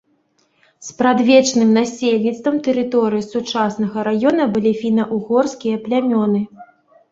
Спрадвечным насельніцтвам тэрыторыі сучаснага раёна былі фіна-ўгорскія плямёны.